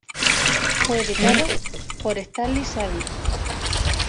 Fue editado por Stanley Sadie.